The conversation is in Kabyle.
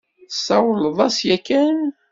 Tesawleḍ-as yakan?